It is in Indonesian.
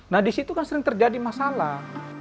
nah disitu kan sering terjadi masalah